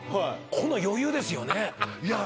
この余裕ですよねいや